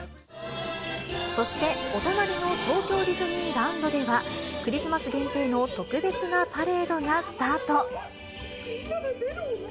そして、お隣の東京ディズニーランドでは、クリスマス限定の特別なパレードがスタート。